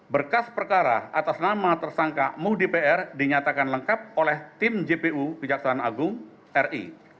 berkas perkara atas nama tersangka muhdi pr dinyatakan lengkap oleh tim jpu kejaksaan agung ri